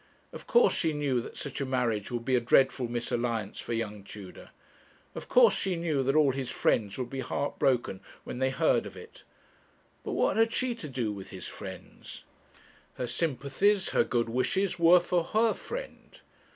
Of course she knew that such a marriage would be a dreadful misalliance for young Tudor; of course she knew that all his friends would be heart broken when they heard of it. But what had she to do with his friends? Her sympathies, her good wishes, were for her friend.